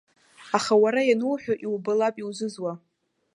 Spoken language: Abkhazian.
Аха уара иануҳәа, иубалап иазызуа.